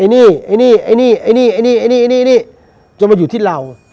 และมาอยู่ที่เรา